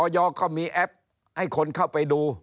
ก็มีแอปให้คนเข้าไปดู